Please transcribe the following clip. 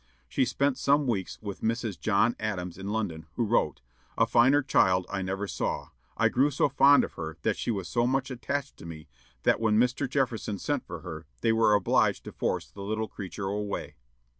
She spent some weeks with Mrs. John Adams in London, who wrote: "A finer child I never saw. I grew so fond of her, and she was so much attached to me, that, when Mr. Jefferson sent for her, they were obliged to force the little creature away."